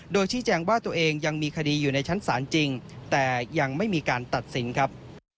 โดยชี้แจงว่าตัวเองยังมีคดีอยู่ในชั้นศาลจริงแต่ยังไม่มีการตัดสินครับ